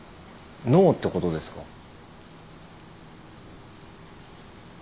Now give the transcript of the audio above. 脳ってことですか？